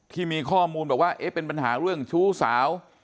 ที่มีข้อมูลบอกว่าเอ๊ะเป็นปัญหาเรื่องชู้สาว